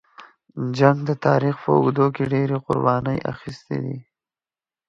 جنګ د تاریخ په اوږدو کې ډېرې قربانۍ اخیستې دي.